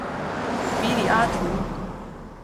比里阿图。